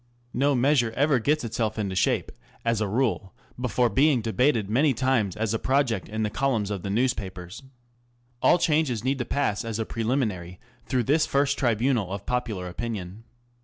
No measure ever gets itself into shape, as a rule, before being debated many times as a project in the columns of the news papers. All changes need to pass as a preliminary through this first tribunal of popular opinion.